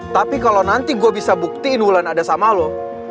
tapi kalau nanti gue bisa buktiin wulan ada sama lo